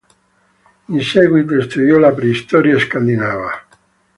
In seguito studiò la preistoria scandinava.